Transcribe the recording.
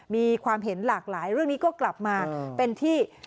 มีความเห็นหลากหลายเรื่องนี้ก็กลับมาเป็นที่